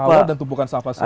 awal dan tumpukan sampah semua